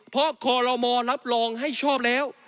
เพราะคอลโลมอรับรองให้ชอบแล้ว